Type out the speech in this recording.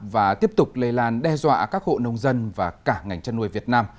và tiếp tục lây lan đe dọa các hộ nông dân và cả ngành chăn nuôi việt nam